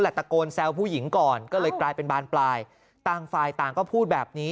ตะโกนแซวผู้หญิงก่อนก็เลยกลายเป็นบานปลายต่างฝ่ายต่างก็พูดแบบนี้